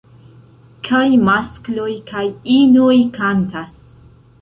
Kaj maskloj kaj inoj kantas.